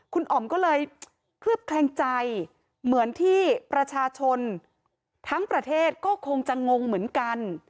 คุณอ๋อมก็เลยเคลือบแคลงใจเหมือนที่ประชาชนทั้งประเทศก็คงจะงงเหมือนกัน